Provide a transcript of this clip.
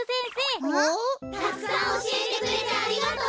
たくさんおしえてくれてありがとう！